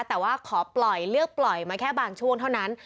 แต่ว่าขอปล่อยเลือกปล่อยมาแค่บางช่วงเท่านั้น